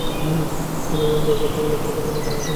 তিনি এবং ব্যঙ্গাত্মক লেখালেখির জন্য কালীপ্রসন্ন বিখ্যাত ছিলেন।